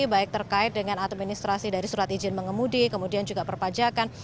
baik terkait dengan administrasi dari surat izin mengemudi kemudian juga perpajakan